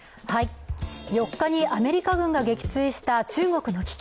４日にアメリカ軍が撃墜した中国の気球。